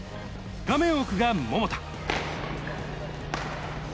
画面奥が桃田。